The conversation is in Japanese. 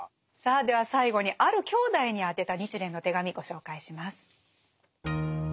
さあでは最後にある兄弟に宛てた日蓮の手紙ご紹介します。